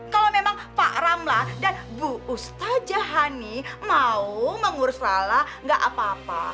kalau memang pak ramlah dan bu ustaz jahani mau mengurus lala tidak apa apa